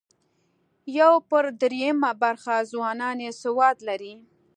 یو پر درېیمه برخه ځوانان یې سواد لري.